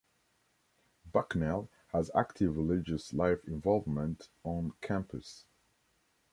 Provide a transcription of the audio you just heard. Bucknell has active religious life involvement on campus.